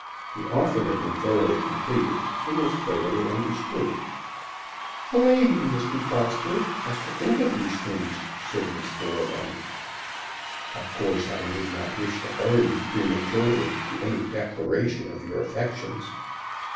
The offer had been thoroughly completed and was thoroughly understood. "A lady, Mr. Prosper, has to think of these things," said Miss Thoroughbung. "Of course I would not wish to hurry you prematurely to any declaration of your affections."